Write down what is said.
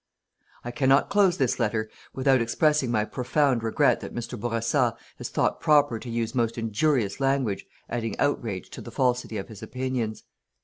"I cannot close this letter without expressing my profound regret that Mr. Bourassa has thought proper to use most injurious language adding outrage to the falsity of his opinions.